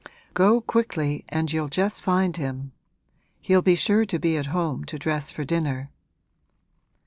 Go quickly and you'll just find him: he'll be sure to be at home to dress for dinner.'